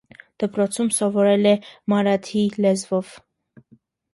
Դպրոցում սովորել է մարաթհի լեզվով։